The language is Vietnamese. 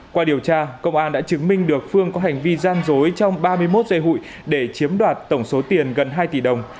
qua điều tra công an đã chứng minh được phương có hành vi gian dối trong ba mươi một dây hụi để chiếm đoạt tổng số tiền gần hai tỷ đồng